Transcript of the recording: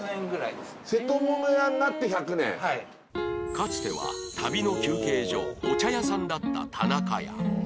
かつては旅の休憩所お茶屋さんだった田中屋